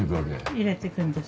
入れていくんです。